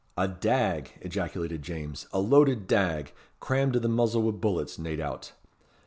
"A dag!" ejaculated James, "a loaded dag, crammed to the muzzle wi' bullets, nae doubt.